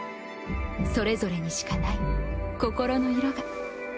それぞれにしかない心の色が。